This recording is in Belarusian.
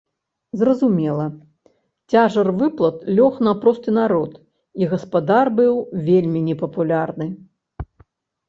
Зразумела, цяжар выплат лёг на просты народ, і гаспадар быў вельмі непапулярны.